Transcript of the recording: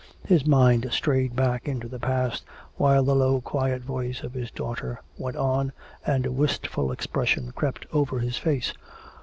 His mind strayed back into the past while the low quiet voice of his daughter went on, and a wistful expression crept over his face.